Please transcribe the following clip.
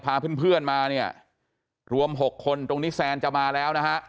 พาเพื่อนมาเนี่ยรวม๖คนตรงนี้แซนจะมาแล้วนะฮะ